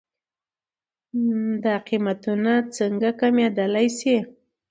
دا قيمتونه څنکه کمېدلی شي؟